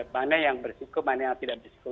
mana yang bersiko mana yang tidak bersiko